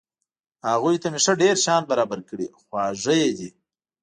هغوی ته مې ښه ډېر شیان برابر کړي، خواږه یې دي.